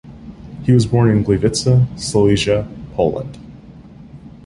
He was born in Gliwice, Silesia, Poland.